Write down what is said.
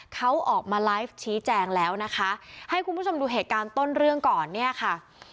เขาออกมาไลฟ์ชี้แจงแล้วนะคะให้คุณผู้ชมดูเหตุการณ์ต้นเรื่องก่อนเนี่ยค่ะ